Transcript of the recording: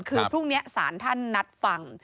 คือพรุ่งนี้สารท่านนัดฟัง